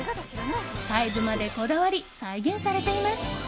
細部までこだわり再現されています。